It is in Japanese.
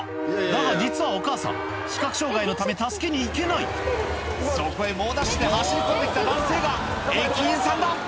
だが実はお母さん視覚障がいのため助けに行けないそこへ猛ダッシュで走り込んで来た男性が駅員さんだ！